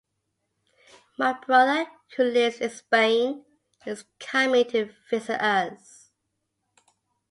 My brother, who lives in Spain, is coming to visit us.